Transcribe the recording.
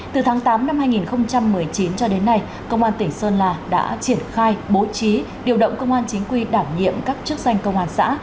từ tháng tám năm hai nghìn một mươi chín cho đến nay công an tỉnh sơn la đã triển khai bố trí điều động công an chính quy đảm nhiệm các chức danh công an xã